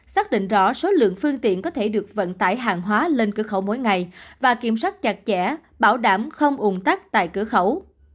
xác định rõ số lượng phương tiện có thể được vận tải hàng hóa lên cửa khẩu mỗi ngày và kiểm soát chặt chẽ bảo đảm không ủng tắc tại cửa khẩu